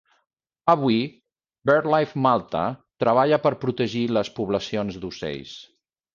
Avui Birdlife Malta treballa per protegir les poblacions d'ocells.